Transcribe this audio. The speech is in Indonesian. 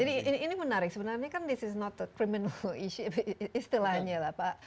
jadi ini menarik sebenarnya kan this is not a criminal issue istilahnya lah pak